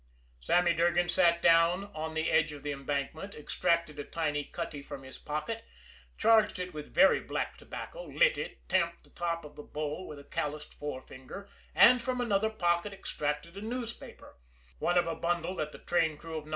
Sammy Durgan sat down on the edge of the embankment, extracted a black cutty from his pocket, charged it with very black tobacco, lit it, tamped the top of the bowl with a calloused forefinger, and from another pocket extracted a newspaper one of a bundle that the train crew of No.